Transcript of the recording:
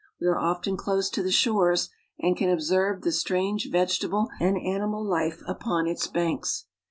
We are often close to the shore, and can observe the strange vegetable and animal life upon its banks.